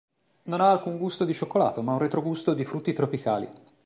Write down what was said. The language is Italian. Non ha alcun gusto di cioccolato ma un retrogusto di frutti tropicali.